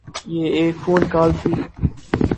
یہ ایک phone call تھی۔